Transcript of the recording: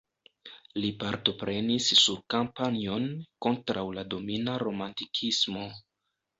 Li partoprenis sur kampanjon kontraŭ la domina romantikismo.